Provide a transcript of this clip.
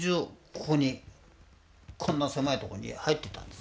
ここにこんな狭いとこに入ってたんですよね。